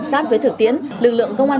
sát với thực tiễn lực lượng công an